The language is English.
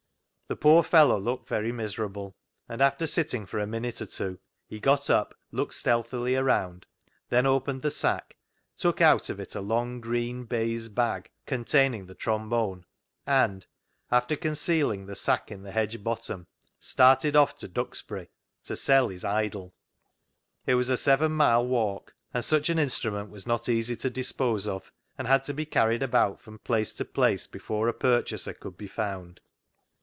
The poor fellow looked very miserable, and after sitting for a minute or two he got up, looked stealthily around, then opened THE KNOCKER UP 153 the sack, took out of it a long, green baize bag, containing the trombone, and, after concealing the sack in the hedge bottom, started off to Duxbury to sell his idol. It was a seven mile walk, and such an instrument was not easy to dispose of, and had to be carried about from place to place before a purchaser could be found.